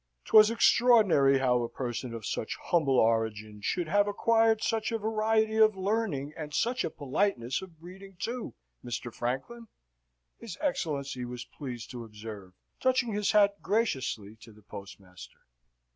"'Twas extraordinary how a person of such humble origin should have acquired such a variety of learning and such a politeness of breeding too, Mr. Franklin!" his Excellency was pleased to observe, touching his hat graciously to the postmaster.